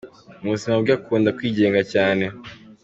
Mu buzima bwe akunda kwigenga cyane.